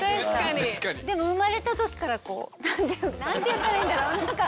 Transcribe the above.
でも生まれたときからこう。なんて言ったらいいんだろう。